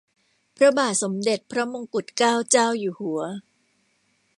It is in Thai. พระบาทสมเด็จพระมงกุฏเกล้าเจ้าอยู่หัว